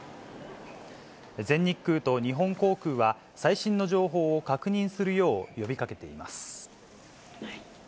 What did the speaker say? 全日空と日本航空は、最新の情報を確認するよう呼びかけています。